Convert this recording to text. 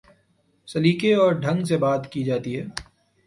سلیقے اور ڈھنگ سے بات کی جاتی ہے۔